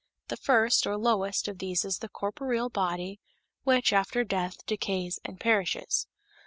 The first, or lowest, of these is the corporeal body, which, after death, decays and perishes.